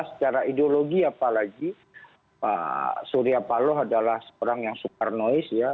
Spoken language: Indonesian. secara ideologi apalagi pak surya paloh adalah seorang yang soekarnois ya